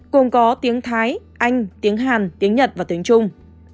gồm có tiếng thái anh tiếng hàn tiếng nhật và tiếng trung